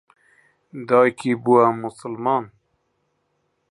دایکی بووە موسڵمان.